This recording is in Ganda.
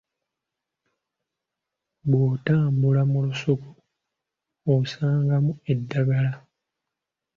Bw’otambula mu lusuku osangamu endagala.